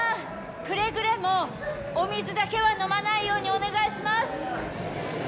くれぐれもお水だけは飲まないようにお願いします！